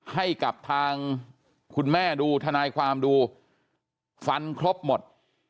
ให้กับทางคุณแม่ดูทนายความดูฟันครบหมด